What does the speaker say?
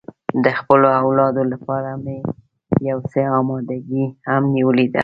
د خپلو اولادو لپاره مې یو څه اماده ګي هم نیولې ده.